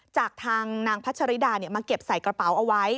จากทางนางพัชริดามาเก็บใส่กระเป๋าเอาไว้